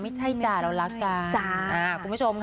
ไม่ใช่จ่ะเรารักการ